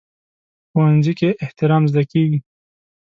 ښوونځی کې احترام زده کېږي